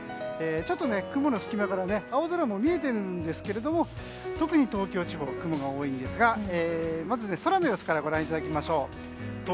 ちょっと雲の隙間から青空も見えているんですが特に東京地方、雲が多いんですがまず空の様子からご覧いただきましょう。